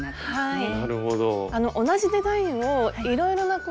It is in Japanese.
はい。